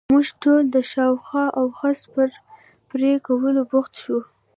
موږ ټول د ښاخونو او خس پر پرې کولو بوخت شو.